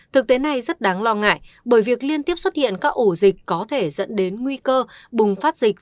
thực tế này rất đáng lo ngại bởi việc liên tiếp xuất hiện các ổ dịch có thể dẫn đến nguy cơ bùng phát dịch